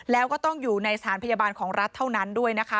แล้วก็ต้องอยู่ในสถานพยาบาลของรัฐเท่านั้นด้วยนะคะ